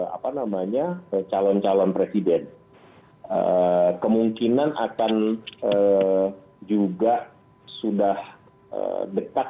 apa namanya calon calon presiden kemungkinan akan juga sudah dekat